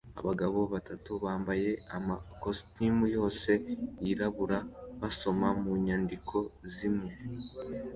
Abagabo batatu bambaye amakositimu yose yirabura basoma mu nyandiko zimwe